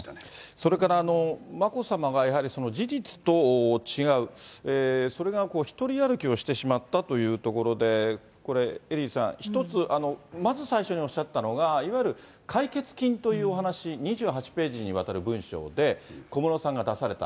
それから眞子さまがやはり事実と違う、それが一人歩きをしてしまったというところで、これ、エリーさん、一つ、まず最初におっしゃったのが、いわゆる解決金というお話、２８ページにわたる文書で、小室さんが出された。